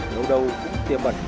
nếu đâu cũng tiêm vật